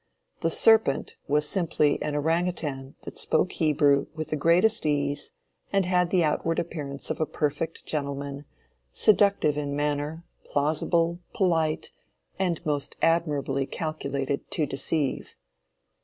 The serpent was simply an orang outang that spoke Hebrew with the greatest ease, and had the outward appearance of a perfect gentleman, seductive in manner, plausible, polite, and most admirably calculated to deceive.